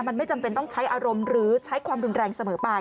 มันไม่จำเป็นต้องใช้อารมณ์หรือใช้ความรุนแรงเสมอไป